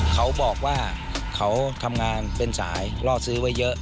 เขาบอกว่าเขาทำงานเป็นสายล่อซื้อไว้เยอะ